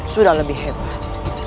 sudah lebih hebat